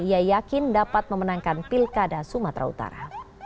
ia yakin dapat memenangkan pilkada sumatera utara